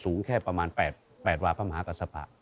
สูงแค่ประมาณ๘วาพระมหากษปะ